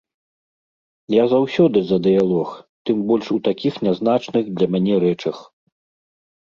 Я заўсёды за дыялог, тым больш у такіх нязначных для мяне рэчах.